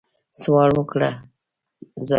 سوال وکړم زه؟